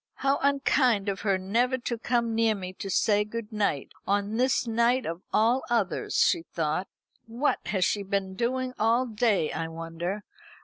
"How unkind of her never to come near me to say good night, on this night of all others!" she thought, "What has she been doing all day, I wonder?